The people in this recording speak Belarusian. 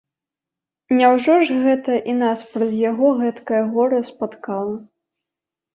Няўжо ж гэта і нас праз яго гэтакае гора спаткала?